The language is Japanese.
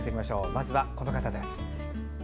まずはこの方です。